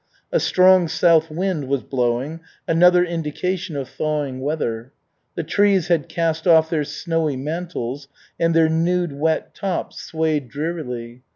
A strong south wind was blowing, another indication of thawing weather. The trees had cast off their snowy mantles, and their nude wet tops swayed drearily.